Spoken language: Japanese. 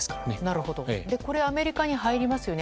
アメリカに入りますよね。